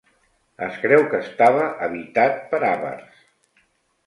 Es creu que estava habitat per àvars.